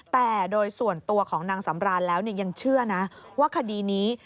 แต่โดยส่วนตัวของนางสำรานแล้วยังเชื่อนะว่าคดีนี้